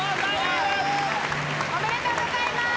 おめでとうございます！